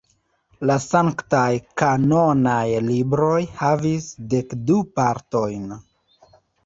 La sanktaj kanonaj libroj havis dek du partojn.